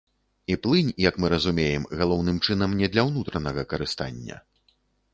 І плынь, як мы разумеем, галоўным чынам не для ўнутранага карыстання.